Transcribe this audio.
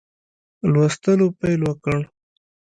لوستلو پیل وکړ.